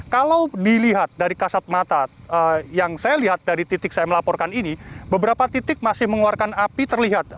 kalau dilihat dari kasat mata yang saya lihat dari titik saya melaporkan ini beberapa titik masih mengeluarkan api terlihat